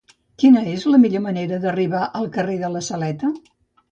Quina és la millor manera d'arribar al carrer de la Saleta?